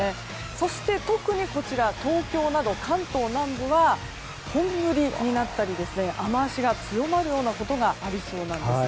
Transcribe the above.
そして、特に東京など関東南部は本降りになったり雨脚が強まるようなところがありそうなんです。